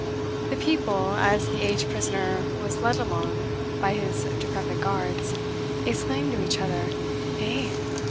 The people, as the aged prisoner was led along by his decrepit guards, exclaimed to each other, "Eh!